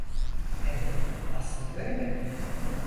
Evet, aslında öyle.